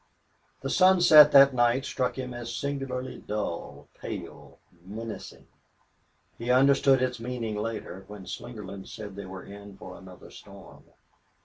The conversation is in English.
The sunset that night struck him as singularly dull, pale, menacing. He understood its meaning later, when Slingerland said they were in for another storm.